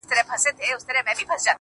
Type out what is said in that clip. • ماته يې په نيمه شپه ژړلي دي.